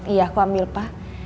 iya aku ambil pak